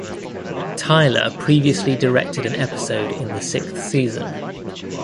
Tyler previously directed an episode in the sixth season.